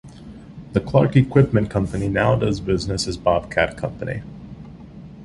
The Clark Equipment Company now does business as Bobcat Company.